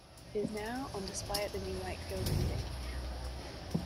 It is now on display at the new Wakefield Museum.